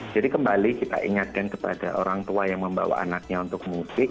jadi kembali kita ingatkan kepada orang tua yang membawa anaknya untuk musik